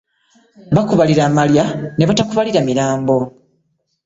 Bakubalira amalya n'ebatakubalira milambo .